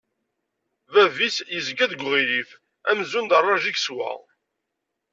Bab-is yezga deg uɣilif, amzun d rraǧ i yeswa.